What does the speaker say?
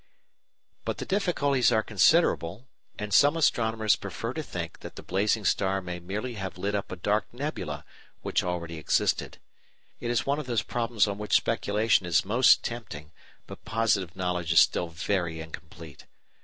But the difficulties are considerable, and some astronomers prefer to think that the blazing star may merely have lit up a dark nebula which already existed. It is one of those problems on which speculation is most tempting but positive knowledge is still very incomplete.